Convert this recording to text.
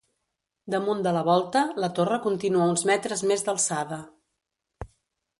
Damunt de la volta, la torre continua uns metres més d'alçada.